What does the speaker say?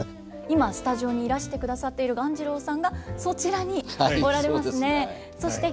今スタジオにいらしてくださっている鴈治郎さんがそちらにおられますね。